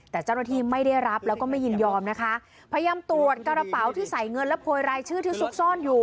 แต่เจ้าหน้าที่ไม่ได้รับแล้วก็ไม่ยินยอมนะคะพยายามตรวจกระเป๋าที่ใส่เงินและโพยรายชื่อที่ซุกซ่อนอยู่